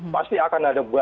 pasti akan ada banyak